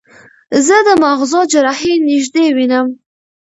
زه د مغزو جراحي نږدې وینم.